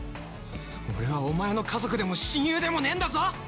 俺はお前の家族でも親友でもねえんだぞ！